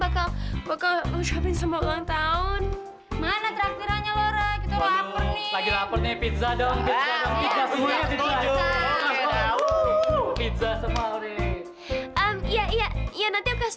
kalau lo suka kenapa kalau aku negeri